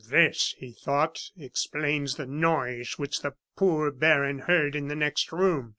"This," he thought, "explains the noise which the poor baron heard in the next room!